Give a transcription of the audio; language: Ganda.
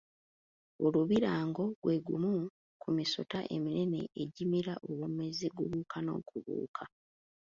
Olubirango gwe gumu ku misota eminene egimira obumizi, gubuuka n’okubuuka.